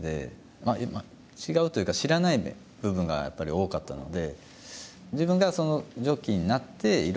違うというか知らない部分がやっぱり多かったので。